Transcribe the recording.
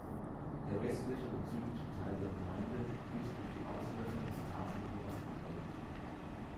Der westliche und südliche Teil der Gemeinde wird durch die Ausläufer des Tafeljuras geprägt.